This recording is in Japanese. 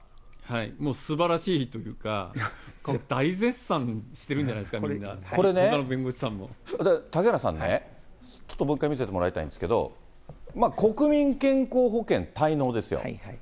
もうすばらしいというか、大絶賛してるんじゃないですか、みこれね、嵩原さんね、ちょっともう一回見せてもらいたいんですけど、国民健康保険滞納ですよ。